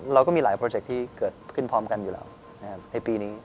เราก็มีหลายโปรเจคที่เกิดขึ้นพร้อมกันอยู่แล้วนะครับในปีนี้